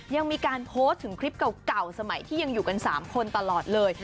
ยังมีการโพสต์ถึงคลิปเก่าสมัยที่ยังอยู่กัน๓คนตลอดเลย